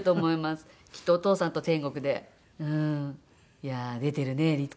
「いやあ出てるね律子。